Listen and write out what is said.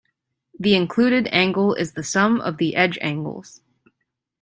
The included angle is the sum of the edge angles.